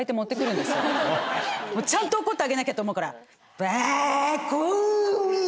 ちゃんと怒ってあげなきゃと思うから。